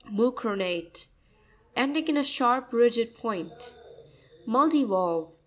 Mu'cronare.—Ending in a_ sharp, rigid point. Mu'ttivaLtve.